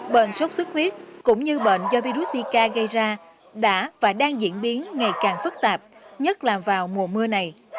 bệnh sốt xuất huyết cũng như bệnh do virus zika gây ra đã và đang diễn biến ngày càng phức tạp nhất là vào mùa mưa này